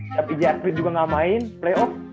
tapi jr smith juga ga main playoff